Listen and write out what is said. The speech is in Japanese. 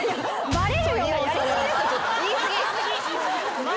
バレるよね？